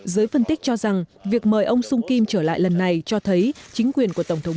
giới phân tích cho rằng việc mời ông sung kim trở lại lần này cho thấy chính quyền của tổng thống